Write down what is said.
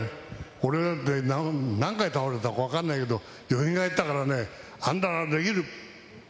俺だって、何回倒れたか分かんないけど、よみがえったからね、あんたならできる。